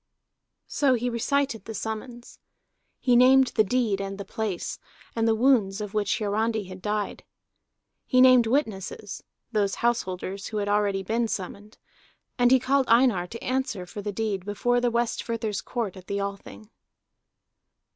So he recited the summons. He named the deed and the place, and the wounds of which Hiarandi had died. He named witnesses, those householders who had already been summoned. And he called Einar to answer for the deed before the Westfirther's Court at the Althing.